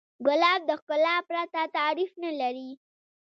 ګلاب د ښکلا پرته تعریف نه لري.